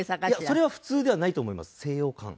それは普通ではないと思います西洋館。